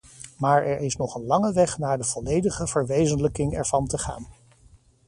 Maar er is nog een lange weg naar de volledige verwezenlijking ervan te gaan.